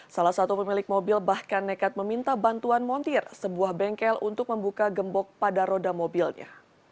salah satu pemilik mobil bahkan nekat meminta bantuan montir sebuah bengkel untuk membuka gembok pada roda mobilnya